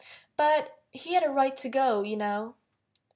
But he had a right to go, you know.